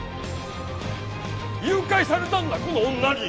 誘拐されたんだこの女に！